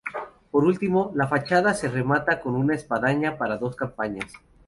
Por último, la fachada se remata con una espadaña para dos campanas.